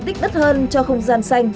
để giữ tích đất hơn cho không gian xanh